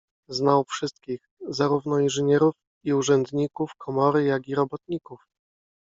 Znał wszystkich - zarówno inżynierów i urzędników komory jak i robotników.